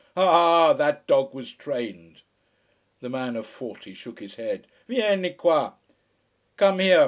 "AH, that dog was trained...." The man of forty shook his head. "Vieni qua!